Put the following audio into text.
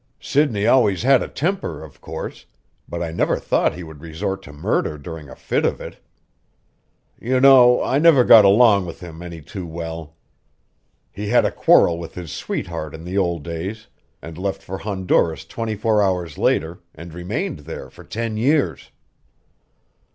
"Sidney always had a temper, of course, but I never thought he would resort to murder during a fit of it. You know, I never got along with him any too well. He had a quarrel with his sweetheart in the old days and left for Honduras twenty four hours later and remained there for ten years."